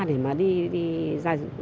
để mà đi ra